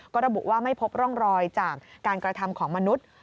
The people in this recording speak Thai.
ก็ระบุว่าไม่พบร่องรอยจากการกระทำของมนุษย์